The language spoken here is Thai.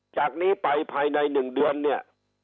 จากนี้ไปภายใน๑เดือนเนี่ย